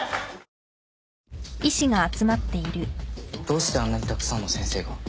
どうしてあんなにたくさんの先生が？